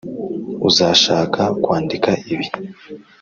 uzashaka kwandika ibi.